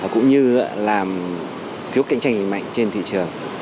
cũng như là thiếu cạnh tranh mạnh trên thị trường